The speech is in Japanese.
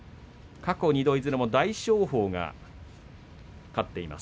過去２度はいずれも大翔鵬が勝っています。